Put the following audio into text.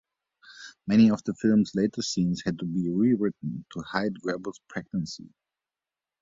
Many of the film's later scenes had to be rewritten to hide Grable's pregnancy.